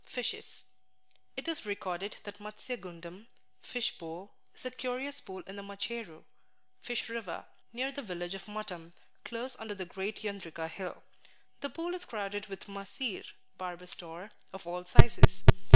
Fishes It is recorded that "Matsya gundam (fish pool) is a curious pool in the Macheru (fish river) near the village of Matam, close under the great Yendrika hill. The pool is crowded with mahseer (Barbus tor) of all sizes.